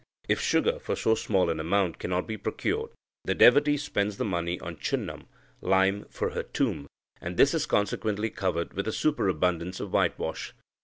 If sugar for so small an amount cannot be procured, the devotee spends the money on chunam (lime) for her tomb, and this is consequently covered with a superabundance of whitewash.